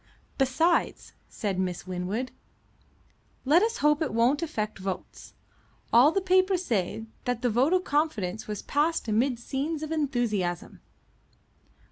"Besides," said Miss Winwood, "let us hope it won't affect votes. All the papers say that the vote of confidence was passed amid scenes of enthusiasm."